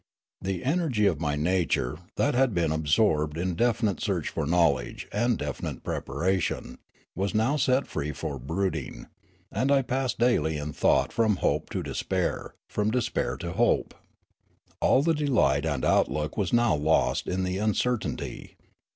The energ}' of my nature, that had been absorbed in definite search for knowledge, and definite preparation, was now set free for brooding; and I passed dail} in thought from hope to despair, from despair to hope. All the delight of outlook was now lost in the uncertainty.